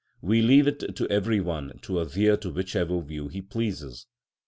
We leave it to every one to adhere to whichever view he pleases.